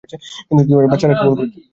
কিন্তু এই বাচ্চারা কী ভুল করেছে?